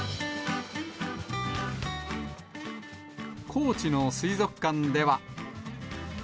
高知の水族館では。